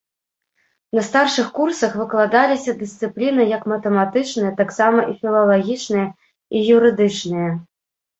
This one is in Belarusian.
На старшых курсах выкладаліся дысцыпліны як матэматычныя, таксама і філалагічныя і юрыдычныя.